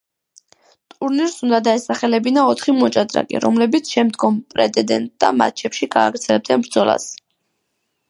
ტურნირს უნდა დაესახელებინა ოთხი მოჭადრაკე, რომლებიც შემდგომ პრეტენდენტთა მატჩებში გააგრძელებდნენ ბრძოლას.